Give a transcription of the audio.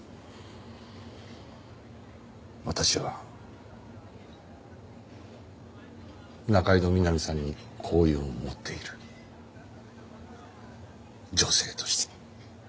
私は仲井戸みなみさんに好意を持っている女性として。